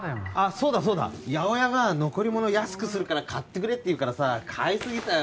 そうだそうだ八百屋が残り物安くするから買ってくれって言うからさ買いすぎたよ